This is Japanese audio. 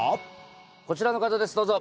こちらの方ですどうぞ。